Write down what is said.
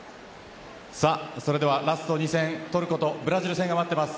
それではラスト２戦トルコとブラジル戦が待っています。